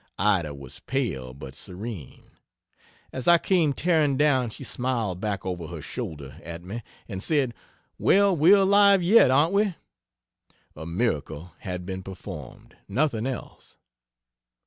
Ida was pale but serene. As I came tearing down, she smiled back over her shoulder at me and said, "Well, we're alive yet, aren't we?" A miracle had been performed nothing else.